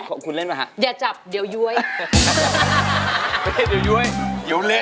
โอ้โห